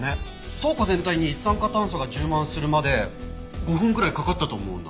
倉庫全体に一酸化炭素が充満するまで５分くらいかかったと思うんだ。